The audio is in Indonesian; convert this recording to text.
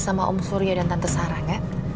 sama om surya dan tante sarah ya